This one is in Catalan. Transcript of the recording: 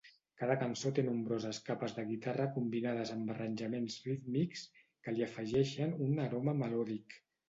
Cada cançó té nombroses capes de guitarra combinades amb arranjaments rítmics, que li afegeixen un "aroma melòdic".